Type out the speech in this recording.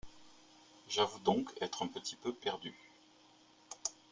J’avoue donc être un petit peu perdu.